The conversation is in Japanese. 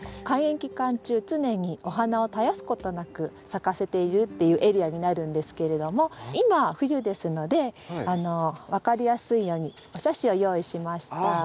開園期間中常にお花を絶やすことなく咲かせているっていうエリアになるんですけれども今冬ですので分かりやすいようにお写真を用意しました。